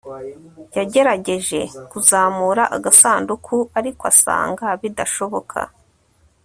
Yagerageje kuzamura agasanduku ariko asanga bidashoboka